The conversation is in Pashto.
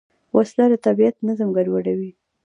وسله د طبیعت نظم ګډوډوي